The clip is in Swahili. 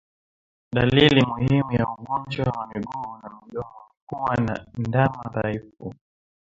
Dalili nyingine muhimu ya ugonjwa wa miguu na midomo ni kuwa na ndama dhaifu